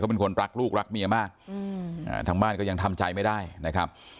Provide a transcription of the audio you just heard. เป็นคนรักลูกรักเมียมากทางบ้านก็ยังทำใจไม่ได้นะครับ